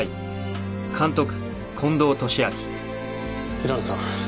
平野さん。